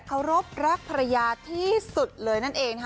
เคารพรักภรรยาที่สุดเลยนั่นเองค่ะ